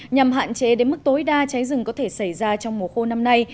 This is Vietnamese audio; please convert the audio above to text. nhằm hạn chế đến mức tối đa cháy rừng có thể xảy ra trong mùa khô năm nay